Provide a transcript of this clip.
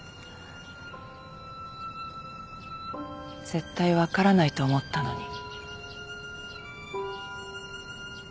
絶対分からないと思ったのに。